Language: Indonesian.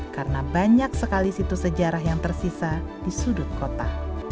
karena banyak sekali situs sejarah yang tersisa di sudut kota